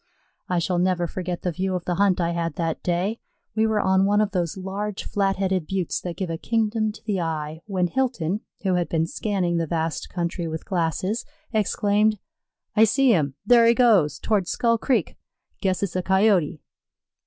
I shall never forget the view of the hunt I had that day. We were on one of those large, flat headed buttes that give a kingdom to the eye, when Hilton, who had been scanning the vast country with glasses, exclaimed: "I see him. There he goes, toward Skull Creek. Guess it's a Coyote."